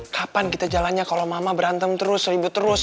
kapan kita jalannya kalau mama berantem terus ribut terus